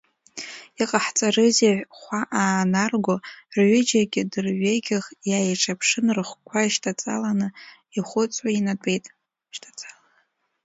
Иҟаҳҵарызеи хәа аанарго, рҩыџьагьы дырҩегьх иааиҿаԥшын, рыхқәа шьҭацаланы, ихәыцуа инатәеит.